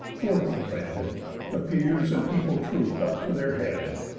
Forth he led, The peers and people troop'd up to their head.